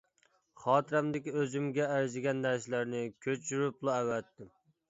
خاتىرەمدىكى ئۆزۈمگە ئەرزىگەن نەرسىلەرنى كۆچۈرۈپلا ئەۋەتتىم.